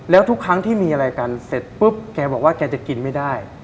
แล้วทุกครั้งที่มีอะไรกันเสร็จปุ๊บแกบอกว่าแกจะกินไม่ได้